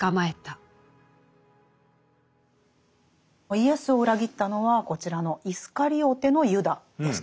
イエスを裏切ったのはこちらのイスカリオテのユダでしたね。